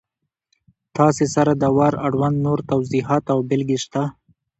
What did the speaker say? تاسې سره د وار اړوند نور توضیحات او بېلګې شته!